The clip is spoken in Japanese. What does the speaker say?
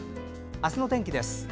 明日の天気です。